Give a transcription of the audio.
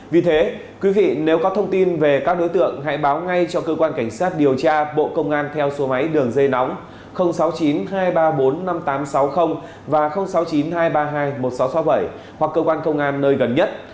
vì thế quý vị nếu có thông tin về các đối tượng hãy báo ngay cho cơ quan cảnh sát điều tra bộ công an theo số máy đường dây nóng sáu mươi chín hai trăm ba mươi bốn năm nghìn tám trăm sáu mươi và sáu mươi chín hai trăm ba mươi hai một nghìn sáu trăm sáu mươi bảy hoặc cơ quan công an nơi gần nhất